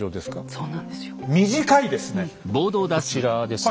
そうなんですよ。